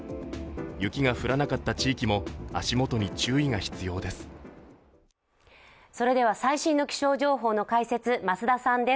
雪が降らなかった地域も足元に注意が必要です。